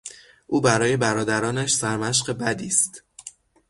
او برای برادرانش سرمشق بدی است.